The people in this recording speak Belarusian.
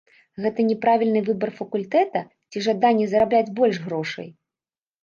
Гэта няправільны выбар факультэта, ці жаданне зарабляць больш грошай?